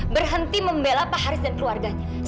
berhenti membela pak haris dan keluarganya